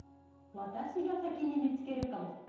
私が先に見つけるかも。